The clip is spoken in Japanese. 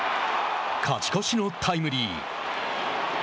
勝ち越しのタイムリー。